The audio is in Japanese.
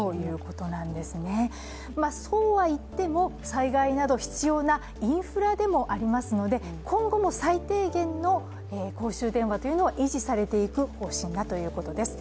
災害時に必要なインフラでもありますので今後も最低限の公衆電話は維持されていく方針だということです。